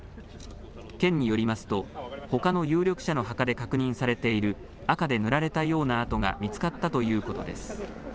県によりますとほかの有力者の墓で確認されている赤で塗られたような跡が見つかったということです。